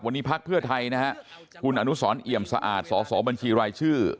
วันนี้พักเพื่อไทยนะฮะคุณอนุสรเอี่ยมสะอาดสอสอบัญชีรายชื่อ